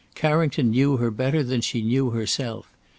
Carrington knew her better than she knew herself.